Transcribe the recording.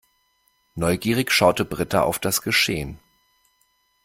Neugierig schaute Britta auf das Geschehen.